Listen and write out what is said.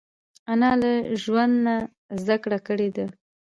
انا له ژوند نه زده کړې کړې دي